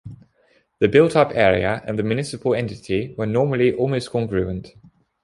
The built-up area and the municipal entity were normally almost congruent.